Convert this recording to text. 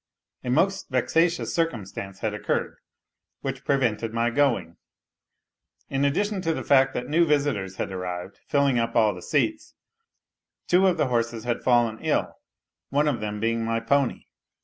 A most vexatious circumstance had occurred, which prevented my going. In addition to the fact that new visitors had arrived, filling up all the seats, two of the horses had fallen ill, one of them being my pony.